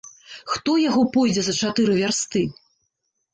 Хто яго пойдзе за чатыры вярсты.